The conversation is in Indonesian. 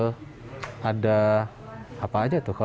namun saya tidak dapat menyelesaikanstenu